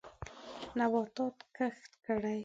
نباتات کښت کړئ.